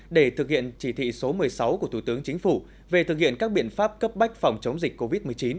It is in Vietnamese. để thực hiện chỉ thị số một mươi sáu của thủ tướng chính phủ về thực hiện các biện pháp cấp bách phòng chống dịch covid một mươi chín